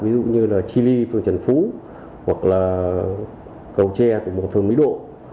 ví dụ như là chile phường trần phú hoặc là cầu tre phường mỹ độ